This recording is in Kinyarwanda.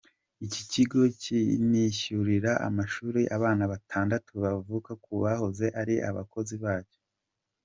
Iki kigo cyinishyurira amashuri abana batandatu bavuka ku bahoze ari abakozi bacyo.